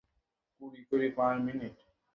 হেই, কী?